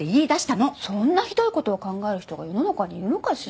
そんなひどい事を考える人が世の中にいるのかしら？